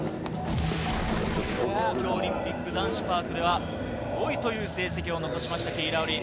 東京オリンピック男子パークでは５位という成績を残しましたキーラン・ウリー。